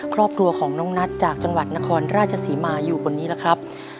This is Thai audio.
ครอบครัวของน้องนัทจากจังหวัดนครราชศรีมาอยู่บนนี้แล้วครับ